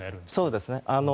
そうですね。